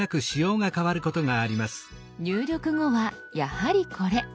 入力後はやはりこれ。